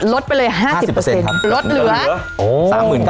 ลดไปเลย๕๐ลดเหลือ